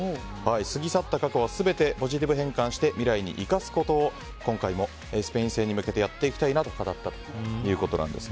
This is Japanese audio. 過ぎ去った過去は全てポジティブ変換して未来に生かすことを今回もスペイン戦に向けてやっていきたいなと語ったということなんです。